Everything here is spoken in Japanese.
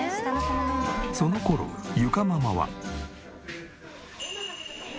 その頃裕佳ママは。